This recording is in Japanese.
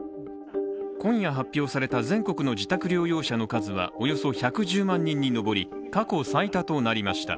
今夜発表された全国の自宅療養者の数はおよそ１１４万人に上り過去最多となりました。